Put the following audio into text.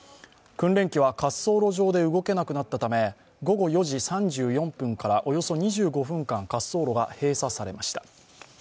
訓練機は滑走路上で動けなくなったため午後４時３４分から、およそ２５分間、滑走路が閉鎖されました。